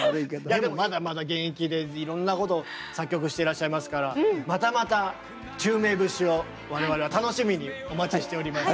いやでもまだまだ現役でいろんなこと作曲していらっしゃいますからまたまた宙明節を我々は楽しみにお待ちしております。